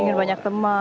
ingin banyak teman